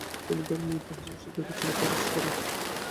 তিনি ধর্ম ও ইতিহাস শিক্ষার পেছনে খরচ করেন।